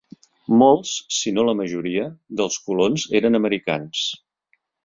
Molts, si no la majoria, dels colons eren americans.